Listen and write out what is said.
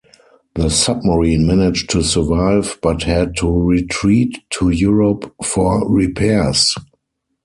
The submarine managed to survive but had to retreat to Europe for repairs.